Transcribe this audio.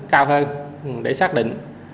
cao hơn để xác định